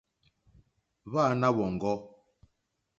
Hwáǃánáá wɔ̀ŋɡɔ́.